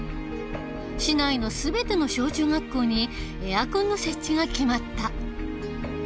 市内の全ての小中学校にエアコンの設置が決まった。